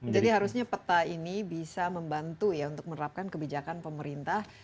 jadi harusnya peta ini bisa membantu ya untuk menerapkan kebijakan pemerintah